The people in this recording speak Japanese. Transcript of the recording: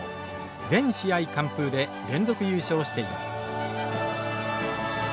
全試合完封で連続優勝しています。